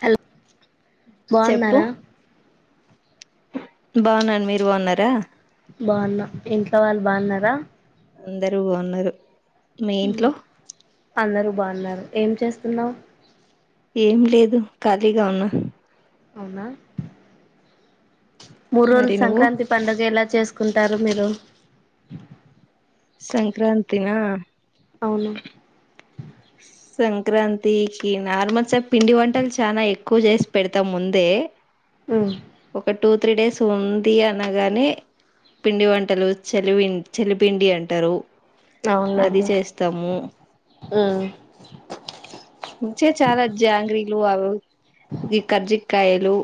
Hello చెప్పు బాగున్నారా బాగున్నాను మీరు బాగున్నారా బాగున్నా ఇంట్లో వాళ్ళు బాగున్నారా అందరు బాగున్నారు మీ ఇంట్లో అందరు బాగున్నారు ఏం చేస్తున్నావు ఏం లేదు ఖాళీగా ఉన్న అవునా మూడు మరి రోజులు నువ్వు సంక్రాంతి పండుగ ఎలా చేసుకుంటారు మీరు సంక్రాంతిన అవును సంక్రాంతికి నార్మల్ సార్ పిండి వంటలు చాలా ఎక్కువ చేసి పెడతాం ముందే ఉమ్ ఒక టూ త్రీ డేస్ ఉంది అనగానే పిండి వంటలు చలిపిన్ చలిపిండి అంటారు అది అవునులేండి చేస్తాము ఉమ్ చె చాలా జాగరిలు అవ్ ఈ కర్జకాయలు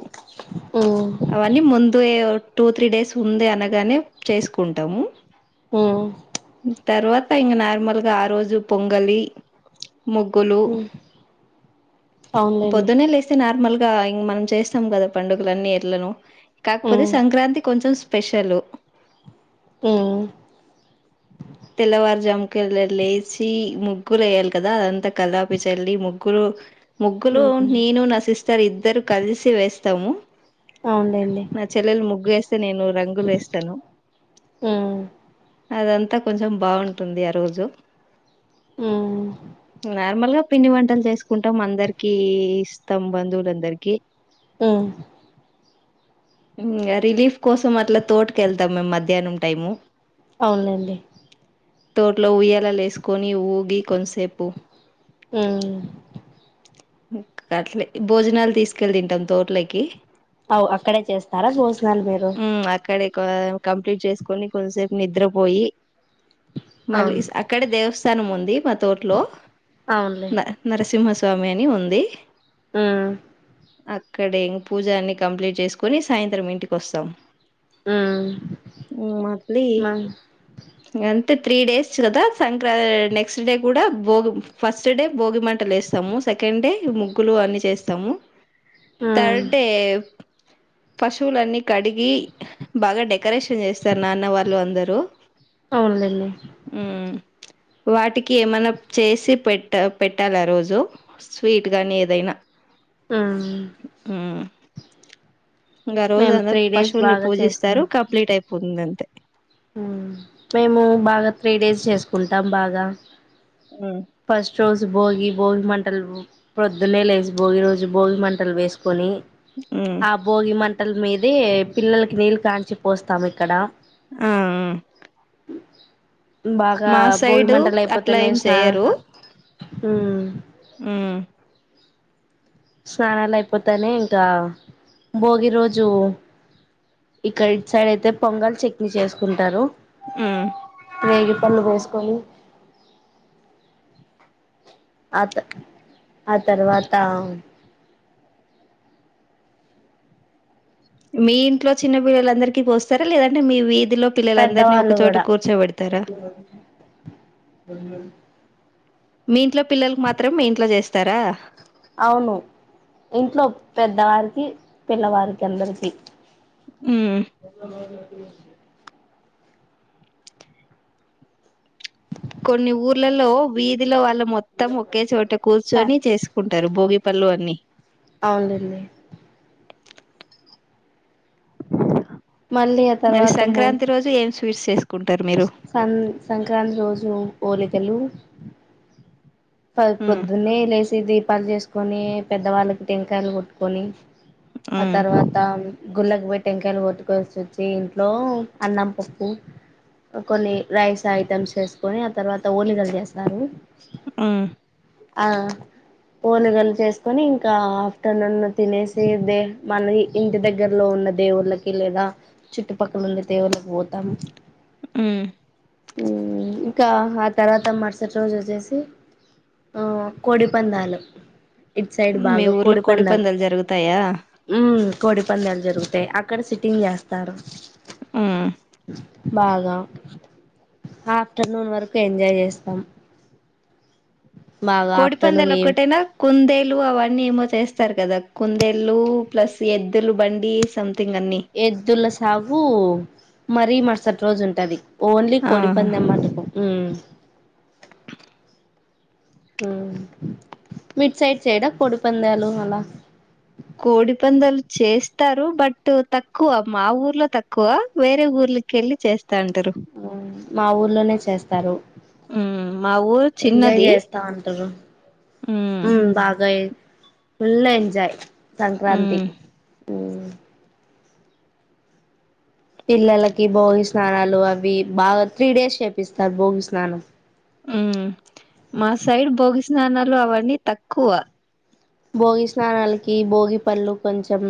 ఉమ్ అవన్నీ ముందు ఎవ టూ త్రీ డేస్ ఉంది అనగానే చేసుకుంటాము ఉమ్ తర్వాత ఇంక నార్మల్గా ఆ రోజు పొంగలి ముగ్గులు ఉమ్ అవునులేండి పొద్దున్నె లేసిన నార్మల్ గా ఇంగ్ మనం చేస్తాం కదా పండుగలన్నీ ఎట్లనొ ఉమ్ కాకపోతే సంక్రాంతి కొంచెం పెషలు ఉ తెల్లవారుజాముకల్ లే లేచి ముగ్గులు ఎయాలి కదా అదంతా కళ్ళాపి చేల్లి ముగ్గులు ముగ్గులు ఉమ్ నేను నా సిస్టర్ ఇద్దరు కలిసి వేస్తాము, అవునులేండి నా చెల్లెలు ముగ్గుఎస్తే నేను రంగులు ఏస్తాను, ఉమ్ అదంతా కొంచెం బావుంటుంది ఆ రోజు ఉమ్ నార్మల్ గ పిండి వంటలు చేసుకుంటం, అందరికి ఇస్తం బంధువులందరికి ఉ ఇంగ రిలీఫ్ కోసం అట్లా తోటకెళ్తాం మేం మధ్యానం టైము ఔన్ లేండి. తోట్లో ఊయ్యలలు ఎసుక్కొని ఊగి కొంసేపు ఉ అట్లె భోజనాలు తీసుకెళ్ళ్ తింటాం తోట్లొకి అవ్, అక్కడే చేస్తారా భోజనాలు మీరు కవ్ కంప్లీట్ చేసుకొని కొంసేపు నిద్రపోయి అవును మళ్ళీస్ అక్కడే దేవస్థానం ఉంది మా తోట్లో, అవునులే న నరసింహ సా మెని ఉంది. ఉ అక్కడ ఇంగ్ పూజాన్ని కంప్లీట్ చేసుకొని సాయంత్రం ఇంటికి వస్సాం. మ్మ్ హు, మద్లి ఇగ అం తే త్రీ డేస్ కదా సంక్రా నెక్స్ డే కూడా భోగి ఫస్ట్ డే భోగి మంటలు ఎస్సాము. సెకండ్ డే ముగ్గులు అన్ని చేస్తాము. మ్మ్ థర్ డే పశువులన్ని కడిగి బాగా డెకరేషన్ చేస్తారు నాన్న వాళ్ళు అందరూ అవునులేండి హు వాటికి ఏమన్న చేసి పెట్ట పెట్టాలా రోజు స్వీట్ గాని ఏదైనా హు ఇంగ ఆ రోజు అందర్ డేస్ పశువుల్ని బాగా పూజిస్తారు కంప్లీట్ అయ్ ఉందంతే హు, మేము బాగా త్రీ డేస్ చేసుకుంటాం బాగా మ్మ్ ఫస్ట్ రోజు భోయి భోగి మంటలు పొద్దున్నె లేసి భోగి రోజు భోగి మంటలు వేసుకొని ఆ బోగి మ ంటల్ మీదీ పిల్లలకి నీళ్ళు కాంచి పోస్తాం, ఇక్కడ ఆ బాగా మా భోగి సైడు మంటల అట్లా ఏం అయిపోతున్నాయి, స్నాన హ్ హ్ స్నానాలు అయిపోతానే ఇంకా భోగి రోజు ఇక్కడి సైడ్ అయితే పొంగల్ చట్నీ చేసుకుంటారు. హ్ రేగి పళ్ళు వేసుకొని ఆత ఆ తర్వాత మీ ఇంట్లో చిన్న పిల్లలందరికీ పోస్తారా లేదంటే మీ వీ ధీ లో పిల్లలందరినీ పెద్దవాళ్ళు ఒకచోట కూడా కూర్చోబెడతారా. మీ ఇంట్లో పిల్లలకు మాత్రం ఇంట్లో చేస్ త్తరా అవును ఇంట్లో పెద్దవారికి, పిల్లవారికి అందరికి. హ్మ్. అ కొన్ని ఊర్లలో వీధిలో వాళ్లు మొత్తం ఒకే చోట కూర్చొని చేసుకుంటరు భోగి పళ్ళు అన్ని. అవునండి. మళ్ళీ ఆ తర్వాతము ఫిర్సేస్ సంన్ సంక్రాంతి రోజు హాలిగలు హ్మ్. ప్రొద్దున్నే లేసిది అప్పాలు చేసుకొని పెద్దవాళ్ళకి టెంకాయలు కొట్టుకొని ఆ హ్మ్. తర్వాత గుళ్ళకి పోయి టెంకాయలు కొట్టు కొనేసి వచ్చి ఇంట్లో అన్నం, పప్పు, కొన్ని రైస్ ఐటమ్స్ చేసుకొని ఆ తర్వాత ఓలిగలు చేస్తారు. ఆ ఆ ఓలిగలు చేసుకొని ఇంకా ఆఫ్టర్నూన్ తినేసి, దే మన ఇంటి దగ్గరలో ఉన్న దేవుళ్ళకి లేదా చుట్టుపక్కల ఉండే దేవుళ్ళకి పోతాం. హ్ ఇంకా ఆ తర్వాత మరుసటి రోజు వచ్చేసి ఆ కోడిపందాలు ఇట్ సైడ్ మీ బాగా ఊర్లో కోడిపందాలు జరుగుతాయా? హ్ కోడిపందాలు జరుగు తయి అక్కడ సిట్టింగ్ చేస్తారు. ఆ బాగా ఆఫ్టర్నూన్ వరకు ఎంజాయ్ చేస్తాం. బాగా ఆఫ్టర్నూన్ కోడిపందాలు ఒక్కటేనా కుందేలు అవన్నీ ఏమో చేస్తారు కదా కుందేల్లు ప్లస్ ఎద్దులు బండి సం ఎద్దుల సావు మరీ మరుసటి రోజు ఉంటది ఓన్లీ ఆహా కొడిపందం మాటు కు హ్మ్ మిడ్ సైడ్ చేయరా కోడి పందాలు అలా కోడి పందాలు చేస్తారు బట్ తక్కువ మా ఊర్లో తక్కువ వేరే ఊర్లకి వెళ్ళి చేస్ హ్మ్ మా ఊర్లోనే చేస్తారు ఉమ్ మా ఊరు ఎంజాయ్ చిన్నది చేస్తా ఉంటారు ఉమ్ హ్మ్ బాగా ఫుల్ ఎంజాయ్ సంక్రాంతి ఉమ్ హ్మ్ పిల్లలకి భోగి స్నానాలు అవి బాగా త్రీ డేస్ చేపిస్తారు భోగి స్నానం హ్మ్ మా సైడ్ బోగిస్నానాలు అవన్నీ తక్కువ భోగి స్నానాలకి భోగి పళ్ళు కొంచెం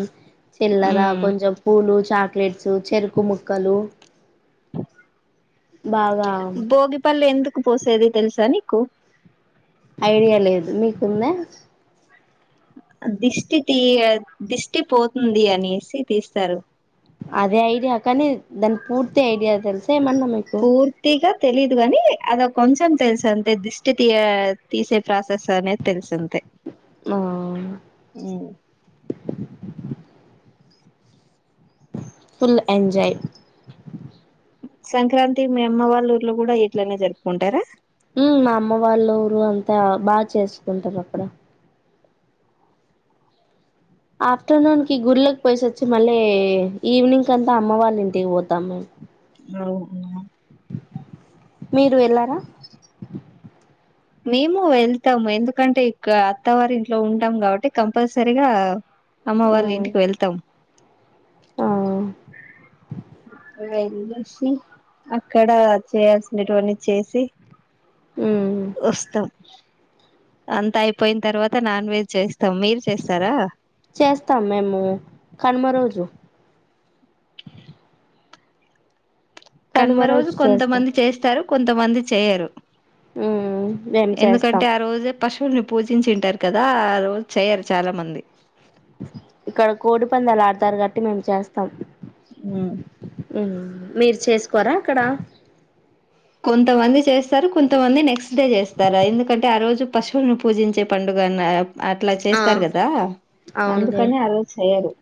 చిల్లరా ఉమ్ కొంచెం పూలు చాక్లెట్స్ చెరుకు ముక్కలు బాగా భోగిపల్ ఎందుకు పోసేది తెలుసా నీకు ఐడియా లేదు మీకుందా దిష్టి తీ దిష్టి పోతుంది అనేసి తీస్తారు అదే ఐడియా కానీ దాని పూర్తి ఐడియా తెలుస్ ఏమైనా మీకు తెలిదు గాని అద కొంచెం తెలుస అంతే దిష్టి తీ తీసే ప్ర సానే తెలుఅంతే ఆ హ్మ్ ఫుల్ ఎంజాయ్ సంక్రాంతి మీ అమ్మ వాళ్ళ ఊర్లో కూడా ఇట్లనే జరుపుకుంటారా హ్మ్ మా అమ్మ వాళ్ళు ఊరు అంతా బాగా చేసుకుంటారు అక్కడ ఆఫ్టేర్నూన్ కి గుళ్ళకి పోసి వచ్చి మళ్ళీ ఈవినింగ్ అంతా అమ్మ వాళ్ళ ఇంటికి పోతాం మేము అవునా మీరు వెళ్ళారా మేము వెళ్తాము ఎందుకంటే ఇక అత్తవారి ఇంట్లో ఉంటాం కాబట్టి కంపల్సరిగా అమ్మ వాళ్ళు ఉమ్ ఇంటికి వెళ్తాం ఆ వెల్లేసి అక్కడ చేయాల్సినేటివి చేసి ఉమ్ వస్తాం అంతా అయిపోయిన తర్వాత నాన్ వెజ్ చేస్ చేస్తాం మేము కనుమ రోజు కనుమ కనుమరోజు రోజు చేస్తాం కొంతమంది చేస్తారు కొంతమంది చేయరు హు మేం చేస్తాం ఎందుకంటే ఆ రోజే పశువుల్ని పూజించింటారు కదా ఆ రోజు చేయ్యరు చాలా మంది ఇక్కడ కోడి పందాలు ఆడతారు కాబట్టి మేము చేస్తాం హు ఉమ్ మీరు చేసుకోరా అక్కడ కొంతమంది చేస్తారు కొంతమంది నెక్స్ట్ డే చేస్తారా ఎందుకంటే ఆ రోజు పశువులను పూజించే పండుగ అట్లా ఆ చేస్తారు కదా అవునులే అందుకని ఆ రోజు చేయ్యరు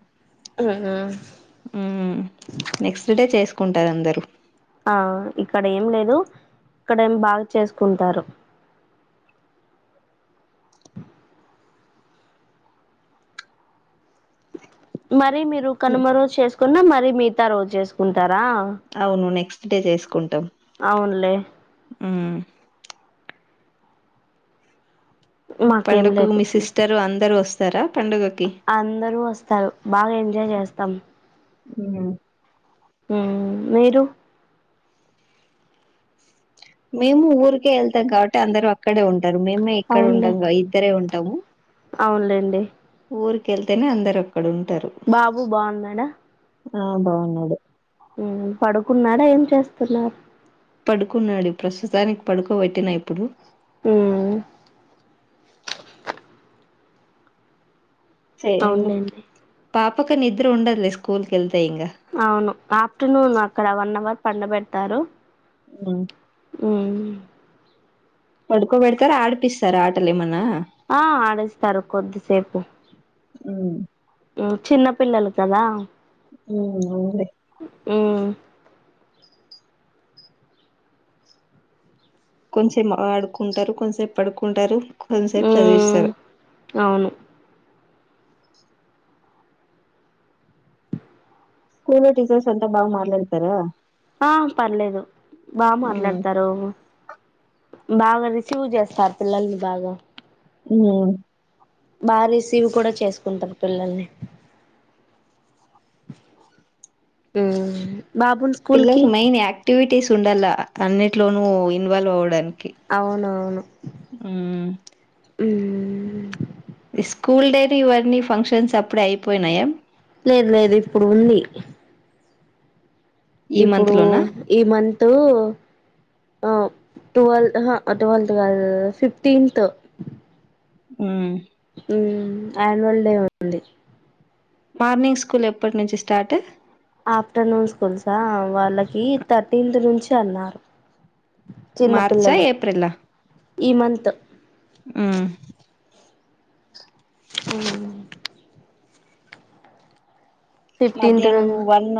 ఉమ్ హు నెక్స్ట్ డే చేసు కుంటారు అందరు ఆ ఇక్కడ ఏం లేదు ఇక్కడ ఏం బాగా చేసుకుంటారు మరి రి మీరు హ్మ్. కనుమ రోజు చేసుకున్న మరి మీ గత రోజు చేసుకుం టారా అవును నెక్స్ట్ డే చేసుకుం అవున్లే ఊమ్ మాకేం పండుగకు లేదు మీ సిస్టర్ అందరు వస్ స్తారా అందరూ వస్తారు బాగా ఎంజాయ్ చేస్తాం ఉమ్ ఉమ్ మీరు మేము ఊరికే వెళ్తాం కాబట్టి అందరు అ క్కడే ఉంటారు మేమే ఇక్కడ ఉంటం గా ఇద్దరే ఉం టం అవున్లేండి ఊరుకెళ్తేనే అందరు ఉంటారు. బాబు బాగున్నాడా ఆ బాగున్నాడు ఊమ్ పడుకున్నాడా ఏం చేస్తున్నారు పడుకున్నాడు ప్రస్తుతానికి పడుకోబెట్టిన ఇప్పుడు హుమ్ సే ఎ అవునులేండి పా పకి నిద్ర ఉండదులే స్కూల్ కెల్తే ఇంగా అవును ఆఫ్టర్నూన్ అక్కడ వన్ అవర్ పండ బెడ్తారు హు ఊఉమ్ పడుకోబెడతార ఆడిపిస్తార ఆటలు ఏమన్నా ఆ ఆడిస్తారు హు ఉమ్ చిన్న పిల్లలు కదా హమ్ ఆవునలే హమ్ కొంచెం ఆడుకుంటారు కొంచసేపు పడుకుంటారు కొంతసేపు మ్ చదివిస్తారు అవును స్కూల్ లో టీచర్స్ అంతా బాగా మాట్లాడతారా ఆ పర్లేదు బా మాట్లాడతారు బాగా రిసీవ్ చేస్తారు పిల్లల్ని బాగా హమ్ బాగా రిసీవ్ కూడా చేసుకుంటారు పిల్లల్ని బాబుని స్కూల్ కి పిల్లలకి మెయిన్ ఆక్టివిటీస్ ఉండాల అన్నింటిలోనూ ఇన్వాల్వ్ అవ్వడానికి అవునవును ఉమ్ హమ్ స్కూల్ డైని ఇవన్నీ ఫంక్షన్స్ అప్పుడే అయిపోయినాయా లేదు లేదు ఇప్పుడు ఉంది ఈ మంత్ ఇప్పుడు లోనా ఈ మంత తు టవల్ ఆహ ట్వల్త్ కాదు ఫిఫ్టీన్త్ ఆ ఆహ యాన్యువల్ డే ఉంది మార్నింగ్ స్కూల్ ఎప్పటి నుంచి స్టార్ట్ ఆఫ్టర్నూన్ స్కూల్సా వాళ్ళకి థర్టీన్త్ నుంచి అన్నారు చిన్న మార్చా పిల్లలు ఏప్రిలా ఈ మంత్ హమ్ అ ఫిఫ్టీన్త్ ను మధ్యానము వన్న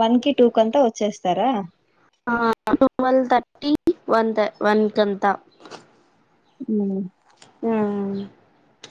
వన్ కి టూ కంతా వచ్చేస్తారా ఆ వన్ టెర్రీ అంటే వన్కాంత ఉ ఆ